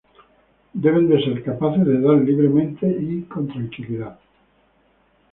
Deben ser capaces de dar libremente y con tranquilidad.